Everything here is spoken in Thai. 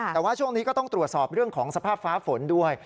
แต่ว่าช่วงนี้ก็ต้องตรวจสอบเรื่องของสภาพฟ้าฝนด้วย